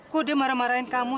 ku dia marah marahin kamu